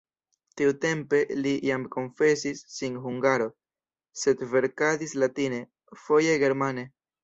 Tiutempe li jam konfesis sin hungaro, sed verkadis latine, foje germane.